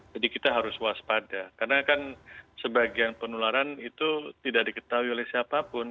kita harus waspada karena kan sebagian penularan itu tidak diketahui oleh siapapun